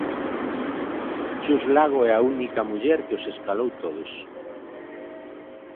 Chus Lago é a única muller que os escalou todos.